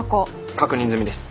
確認済みです。